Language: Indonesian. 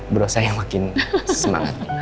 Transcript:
buru sa yang makin semangat